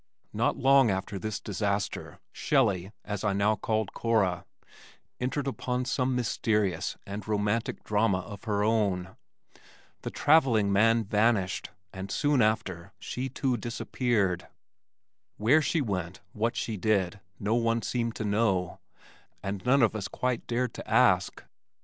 Not long after this disaster, "Shellie," as I now called Cora, entered upon some mysterious and romantic drama of her own. The travelling man vanished, and soon after she too disappeared. Where she went, what she did, no one seemed to know, and none of us quite dared to ask.